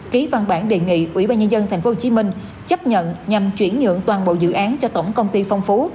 ký văn bản đề nghị ủy ban nhân dân thành phố hồ chí minh chấp nhận nhằm chuyển nhượng toàn bộ dự án cho tổng công ty phong phú